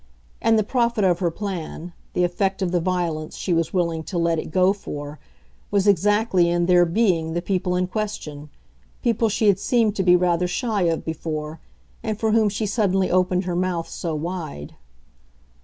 And the profit of her plan, the effect of the violence she was willing to let it go for, was exactly in their BEING the people in question, people she had seemed to be rather shy of before and for whom she suddenly opened her mouth so wide.